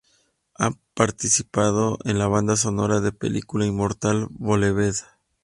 Han participado en la banda sonora de película Inmortal Beloved.